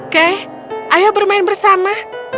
kay ayo bermain bersama